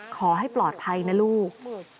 ขอให้ปลอดภัยนะลูก